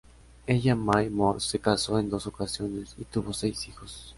Ella Mae Morse se casó en dos ocasiones, y tuvo seis hijos.